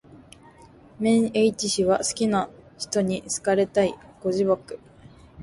綿 h 氏は好きな使途に好かれたい。ご自爆